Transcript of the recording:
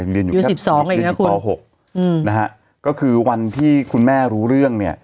เป็นอย่างอยู่๑๒นะคุณอีกต่อ๖นะฮะก็คือวันที่คุณแม่รู้เรื่อง